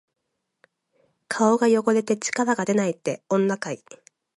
顔が汚れて力がでないって、女かい！